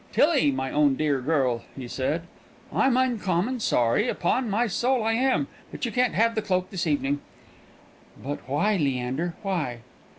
"Tillie, my own dear girl," he said, "I'm uncommon sorry, upon my soul I am, but you can't have that cloak this evening." "But why, Leander, why?"